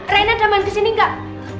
reina ada main disini gak